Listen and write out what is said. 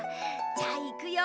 じゃあいくよ。